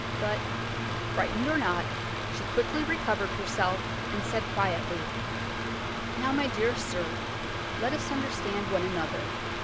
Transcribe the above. But, frightened or not, she quickly recovered herself, and said quietly: "Now, my dear sir, let us understand one another.